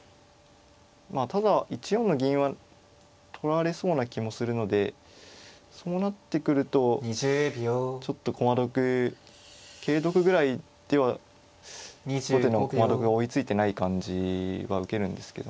まあただ１四の銀は取られそうな気もするのでそうなってくるとちょっと駒得桂得ぐらいでは後手の駒得が追いついてない感じは受けるんですけどね。